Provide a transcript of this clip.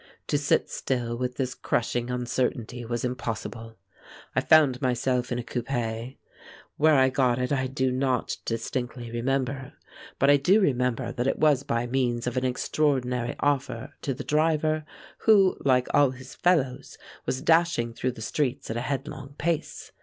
To sit still with this crushing uncertainty was impossible. I found myself in a coupé. Where I got it I do not distinctly remember. But I do remember that it was by means of an extraordinary offer to the driver, who, like all his fellows, was dashing through the streets at a headlong pace.